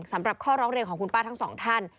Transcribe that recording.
ความรับร้องเรียงของคุณป้าทั้ง๒ท่าน